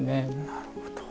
なるほど。